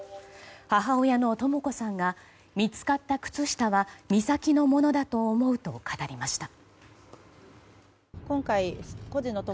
母親のとも子さんが見つかった靴下は美咲のものだと思うと語りました。